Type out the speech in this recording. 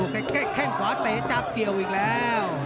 แค่ขวาแตมาจากเกี่ยวอีกแล้ว